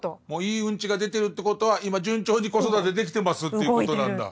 いいうんちが出てるってことは今順調に子育てできてますっていうことなんだ。